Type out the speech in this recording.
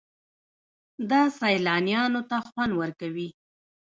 دا سیلانیانو ته خوند ورکوي.